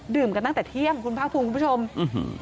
กันตั้งแต่เที่ยงคุณภาคภูมิคุณผู้ชมอื้อหือ